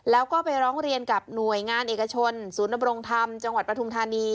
แล้วก็ไปร้องเรียนกับหน่วยงานเอกชนศูนย์ดำรงธรรมจังหวัดปฐุมธานี